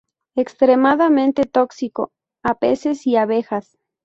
Extremadamente tóxico a peces y abejas.